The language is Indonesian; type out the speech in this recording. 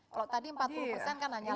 kalau tadi empat puluh persen kan hanya